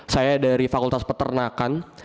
saya dari fakultas peternakan